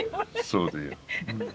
そうだよ。